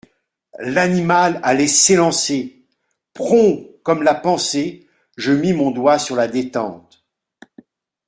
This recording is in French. L'animal allait s'élancer ! Prompt comme la pensée, je mis mon doigt sur la détente.